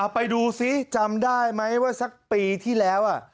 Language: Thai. ไปดูซิจำได้ไหมว่าสักปีที่แล้ว